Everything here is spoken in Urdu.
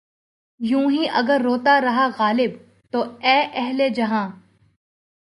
یوں ہی گر روتا رہا غالب! تو اے اہلِ جہاں